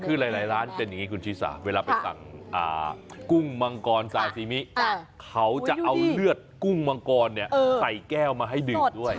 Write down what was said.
คือหลายร้านเป็นอย่างนี้คุณชีสาเวลาไปสั่งกุ้งมังกรซาซีมิเขาจะเอาเลือดกุ้งมังกรใส่แก้วมาให้ดื่มด้วย